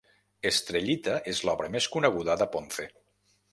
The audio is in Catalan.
'Estrellita' és l'obra més coneguda de Ponce.